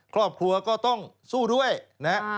ครอบครัวก็ต้องสู้ด้วยนะฮะ